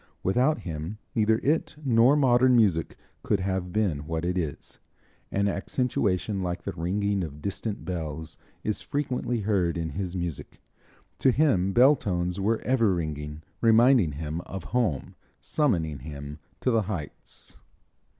Without him neither it nor modern music could have been what it is. An accentuation like the ringing of distant bells is frequently heard in his music. To him bell tones were ever ringing, reminding him of home, summoning him to the heights.